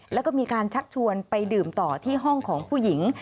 แล้วก็มีการชักชวนไปดื่มต่อที่ห้องของผู้หญิง